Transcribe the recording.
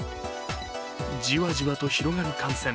じわじわと広がる感染。